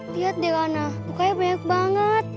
lihat deh ana bukaya banyak banget